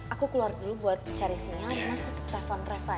aku keluar dulu buat cari sinyal mas tepuk telepon reva ya